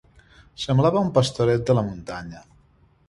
Semblava un pastoret de la muntanya.